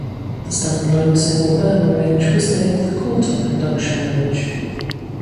The stand-alone single-burner range was named the Cool Top Induction Range.